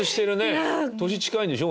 年近いんでしょ？